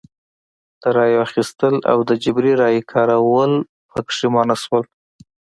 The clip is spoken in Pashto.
د رایو اخیستل او د جبري رایې کارول پکې منع شول.